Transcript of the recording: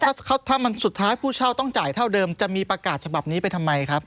ถ้าถ้ามันสุดท้ายผู้เช่าต้องจ่ายเท่าเดิมจะมีประกาศฉบับนี้ไปทำไมครับ